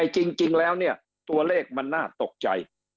จริงแล้วเนี่ยตัวเลขมันน่าตกใจ